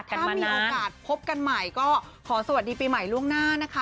ถ้ามีโอกาสพบกันใหม่ก็ขอสวัสดีปีใหม่ล่วงหน้านะคะ